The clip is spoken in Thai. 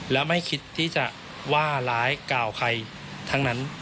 และไม่คิดที่จะว่าร้ายกล่าวใครทั้งนั้น